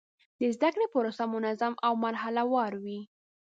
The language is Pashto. د زده کړې پروسه منظم او مرحله وار وه.